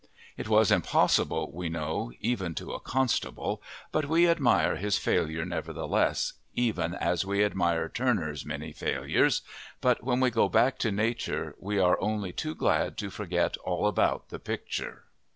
It was impossible, we know, even to a Constable, but we admire his failure nevertheless, even as we admire Turner's many failures; but when we go back to Nature we are only too glad to forget all about the picture.